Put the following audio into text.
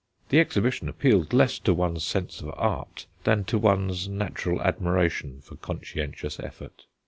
The exhibition appealed less to one's sense of art than to one's natural admiration for conscientious effort.